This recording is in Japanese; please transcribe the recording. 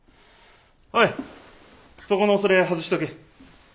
おいそこのそれ外しとけ。